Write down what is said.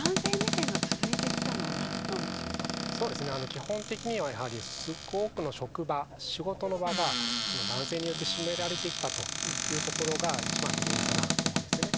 基本的にはやはりすごく多くの職場仕事の場が男性によって占められてきたというところが一番の原因かなと思うんですよね。